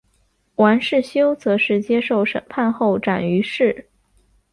王世修则是接受审判后斩于市。